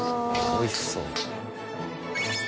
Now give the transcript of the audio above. おいしそう。